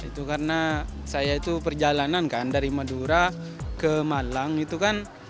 itu karena saya itu perjalanan kan dari madura ke malang itu kan